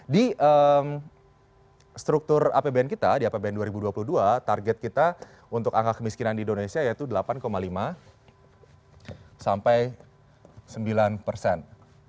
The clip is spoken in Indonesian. di struktur apbn kita di apbn dua ribu dua puluh dua target kita untuk angka kemiskinan di indonesia yaitu delapan lima sampai sembilan persen